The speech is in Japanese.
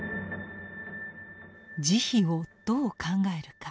「慈悲」をどう考えるか。